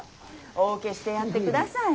お受けしてやってください。